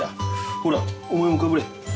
ほらお前もかぶれ。